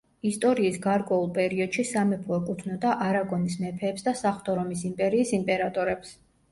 ისტორიის გარკვეულ პერიოდში სამეფო ეკუთვნოდა არაგონის მეფეებს და საღვთო რომის იმპერიის იმპერატორებს.